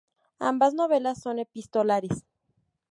Ambas novelas son epistolares.